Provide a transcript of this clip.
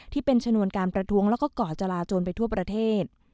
ที่เป็นชนวนการประท้วงและก่อจลาจนไปทั่วประเทศ